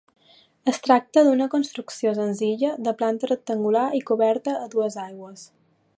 Es tracta d'una construcció senzilla de planta rectangular i coberta a dues aigües.